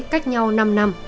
cách nhau năm năm